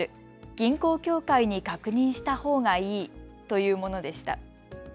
銀行協会に確認したほうがいいというものでした。